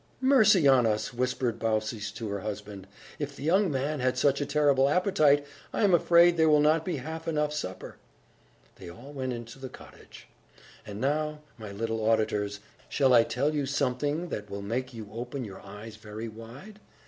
"Mercy on us!" whispered Baucis to her husband. "If the young man has such a terrible appetite, I am afraid there will not be half enough supper!" They all went into the cottage. And, now, my little auditors, shall I tell you something that will make you open your eyes very wide?